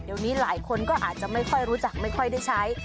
เดี๋ยวนี้หลายคนก็อาจจะไม่ค่อยรู้จักไม่ค่อยได้ใช้